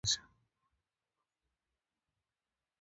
With little hope, they presented him with a copy of "Tafkans".